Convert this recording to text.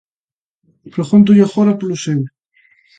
Pregúntolle agora polo seu.